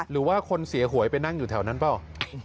หรือว่าคนเสียหวยไปนั่งอยู่แถวนั้นเปล่า